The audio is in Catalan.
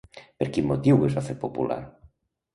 Per quin motiu es va fer popular?